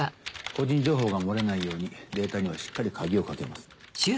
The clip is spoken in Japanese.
個人情報が漏れないようにデータにはしっかり鍵をかけます。